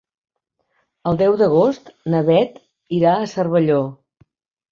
El deu d'agost na Bet irà a Cervelló.